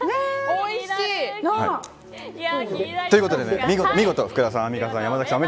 おいしい！ということで福田さん山崎さん